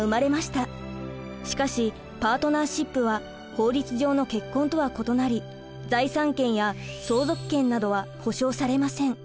しかしパートナーシップは法律上の結婚とは異なり財産権や相続権などは保障されません。